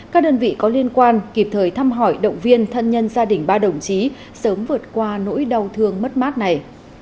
các đơn vị có liên quan kịp thời thăm hỏi động viên thân nhân gia đình ba đồng chí sớm vượt qua nỗi đau thương mất mát này